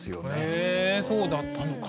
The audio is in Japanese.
へえそうだったのか。